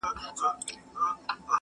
دریم یار په ځان مغرور نوم یې دولت وو؛